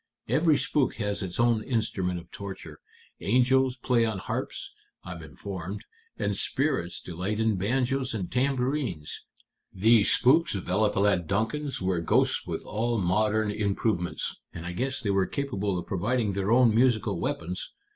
Every spook has its own instrument of torture. Angels play on harps, I'm informed, and spirits delight in banjos and tambourines. These spooks of Eliphalet Duncan's were ghosts with all modern improvements, and I guess they were capable of providing their own musical weapons.